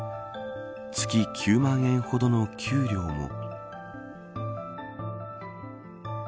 月９万円ほどの給料も。